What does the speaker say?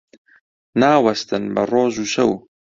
ناوەستن بە ڕۆژ و شەو